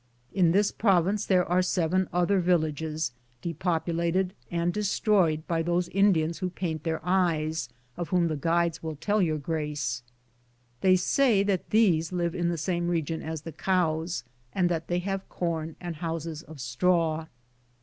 In this province there are seven other villages, depopulated and destroyed by those Indians who paint their eyes, of whom the guides will teU Your Grace ; they say that these live in the same region as the cows, and that they have corn and houses of straw.